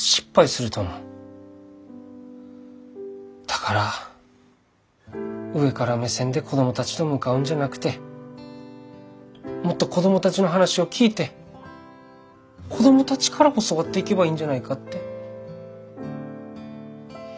だから上から目線で子供たちと向かうんじゃなくてもっと子供たちの話を聞いて子供たちから教わっていけばいいんじゃないかって。